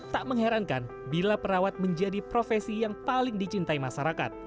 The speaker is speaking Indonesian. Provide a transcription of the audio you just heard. tak mengherankan bila perawat menjadi profesi yang paling dicintai masyarakat